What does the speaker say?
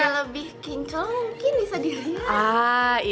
jadi lebih kinclongkin nih sadirnya